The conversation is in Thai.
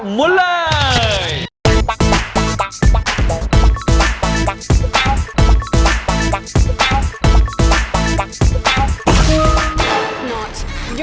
มุนเลย